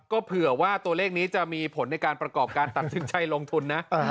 ก็เผื่อว่าตัวเลขนี้จะมีผลในการประกอบการตัดสินใจลงทุนนะ